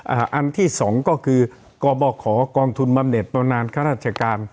อันที่สองก็คือกบขอกองทุนบำเน็ตบำนานข้าราชการ